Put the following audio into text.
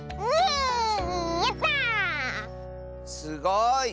すごい！